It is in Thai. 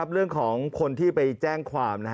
เรื่องของคนที่ไปแจ้งความ